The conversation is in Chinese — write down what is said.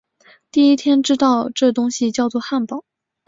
第一天知道这东西叫作汉堡